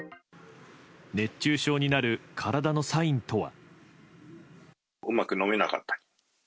熱中症になる体のサインとは。